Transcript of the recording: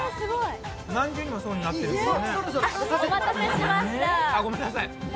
何重にも層になっているんですね。